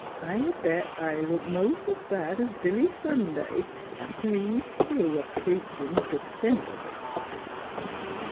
I bet I look most 's bad 's Billy Sunday, after he's through a preachin' t' sinners